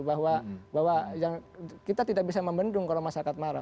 bahwa kita tidak bisa membendung kalau masyarakat marah